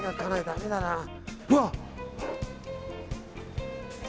うわ！